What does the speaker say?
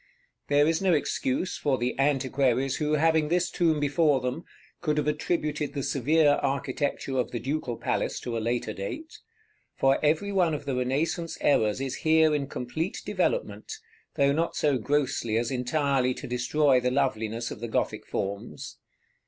There is no excuse for the antiquaries who, having this tomb before them, could have attributed the severe architecture of the Ducal Palace to a later date; for every one of the Renaissance errors is here in complete developement, though not so grossly as entirely to destroy the loveliness of the Gothic forms.